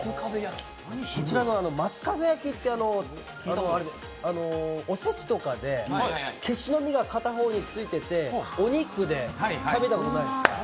こちらの松風焼きっておせちとかでけしの実が片方についてて、お肉で食べたことないですか？